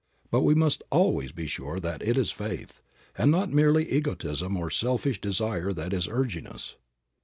But we must always be sure that it is faith, and not merely egotism or selfish desire that is urging us.